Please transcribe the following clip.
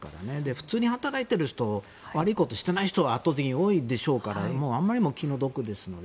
普通に働いている人悪いことしていない人が圧倒的に多いでしょうからあんまりにも気の毒ですので